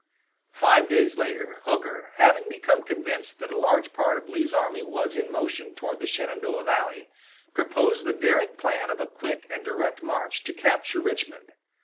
Five days later, Hooker, having become convinced that a large part of Lee's army was in motion toward the Shenandoah valley, proposed the daring plan of a quick and direct march to capture Richmond.